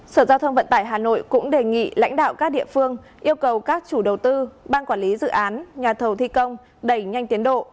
sở giao thông vận tải hà nội cũng đề nghị lãnh đạo các địa phương yêu cầu các chủ đầu tư ban quản lý dự án nhà thầu thi công đẩy nhanh tiến độ